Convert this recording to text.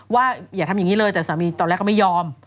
อย่าทำอย่างนี้เลยแต่สามีตอนแรกก็ไม่ยอม